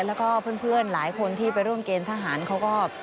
แล้วก็เพื่อนหลายคนที่ไปร่วมเกณฑ์ทหารเขาก็